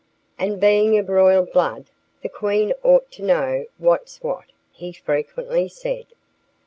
"And being of royal blood, the Queen ought to know what's what," he frequently said.